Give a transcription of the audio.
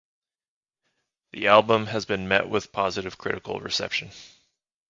The album has been met with positive critical reception.